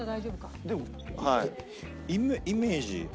でもイメージ。